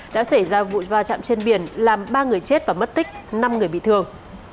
đã xảy ra vụ va chạm trên biển làm ba người chết và mất tích năm người bị thương